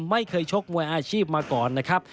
ไม่เคยชกมวยอาชีพมาก่อนนะครับ